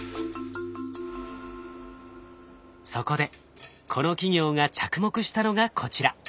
そこでこの企業が着目したのがこちら。